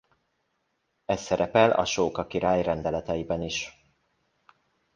Ez szerepel Asóka király rendeleteiben is.